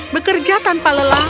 bekerja tanpa lelah